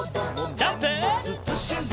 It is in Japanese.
ジャンプ！